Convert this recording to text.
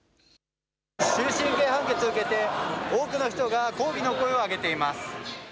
終身刑判決を受けて多くの人が抗議の声を上げています。